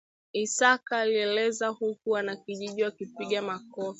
Isaka alieleza huku wanakijiji wakipiga makofi